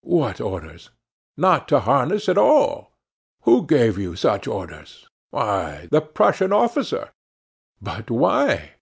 "What orders?" "Not to harness at all." "Who gave you such orders?" "Why, the Prussian officer." "But why?"